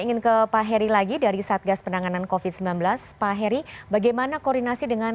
ingin ke pak heri lagi dari satgas penanganan kofit sembilan belas pak heri bagaimana koordinasi dengan